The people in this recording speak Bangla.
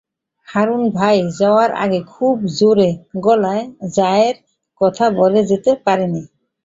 হারুন তাই যাওয়ার আগে খুব জোর গলায় জয়ের কথা বলে যেতে পারেননি।